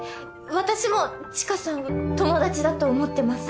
私も知花さんを友達だと思ってます。